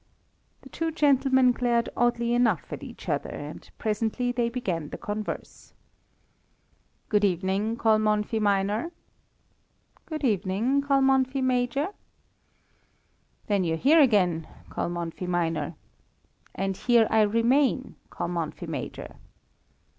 The two gentlemen glared oddly enough at each other, and presently they began to converse. "Good evening, Kalmanffy minor!" "Good evening, Kalmanffy major!" "Then you're here again, Kalmanffy minor?" "And here I remain, Kalmanffy major!"